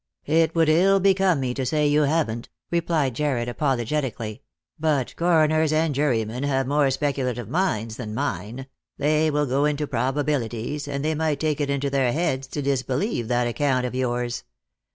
" It would ill become me to say you haven't," replied Jarred apologetically; "but coroners and jurymen have more specula tive minds than mine ; they will go into probabilities, and they might take it into their heads to disbelieve that account of yours.